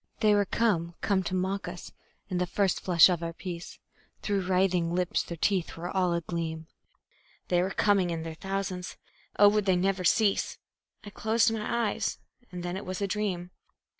They were come, were come to mock us, in the first flush of our peace; Through writhing lips their teeth were all agleam; They were coming in their thousands oh, would they never cease! I closed my eyes, and then it was a dream.